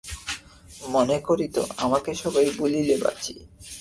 মনে করিত, আমাকে সবাই ভুলিলে বাঁচি।